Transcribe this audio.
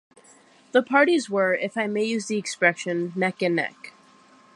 The parties were, if I may use the expression, neck and neck.